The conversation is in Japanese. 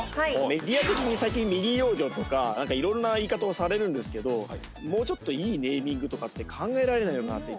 メディア的に最近未利用魚とかいろんな言い方をされるんですけどもうちょっといいネーミングとかって考えられないのかなって